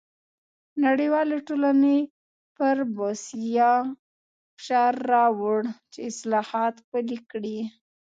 نړیوالې ټولنې پر بوسیا فشار راووړ چې اصلاحات پلي کړي.